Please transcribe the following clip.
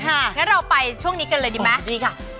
งั้นเราไปช่วงนี้กันเลยดีไหมดีค่ะ